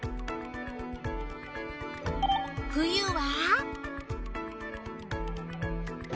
冬は？